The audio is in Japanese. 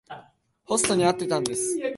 ホストに会ってたんです。